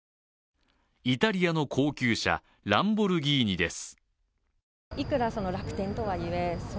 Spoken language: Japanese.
イタリアの高級車、ランボルギーニです。